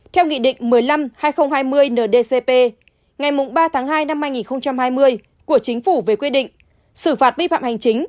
theo nghị định một mươi năm hai nghìn hai mươi ndcp ngày ba hai hai nghìn hai mươi của chính phủ về quyết định xử phạt phi phạm hành chính